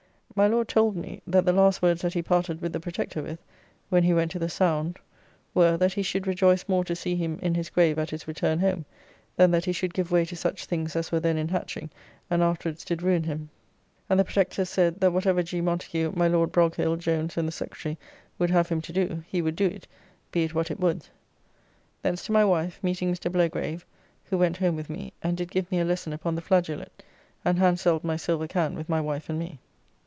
My Lord told me, that the last words that he parted with the Protector with (when he went to the Sound), were, that he should rejoice more to see him in his grave at his return home, than that he should give way to such things as were then in hatching, and afterwards did ruin him: and the Protector said, that whatever G. Montagu, my Lord Broghill, Jones, and the Secretary, would have him to do, he would do it, be it what it would. Thence to my wife, meeting Mr. Blagrave, who went home with me, and did give me a lesson upon the flageolet, and handselled my silver can with my wife and me.